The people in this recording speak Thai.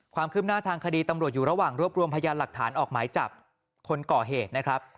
ความคืบหน้าทางคดีตำรวจอยู่ระหว่างรวบรวมพยานหลักฐานออกหมายจับคนก่อเหตุนะครับ